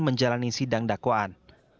menjalani sidang dakwaan